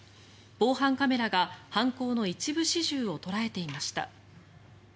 防犯カメラが犯行の一部始終を捉えていました。